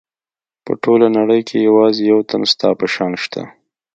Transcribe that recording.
په ټوله نړۍ کې یوازې یو تن ستا په شان شته.